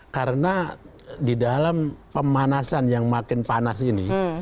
karena di dalam pemanasan yang makin panas ini